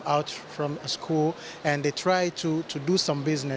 dan mereka mencoba untuk melakukan bisnis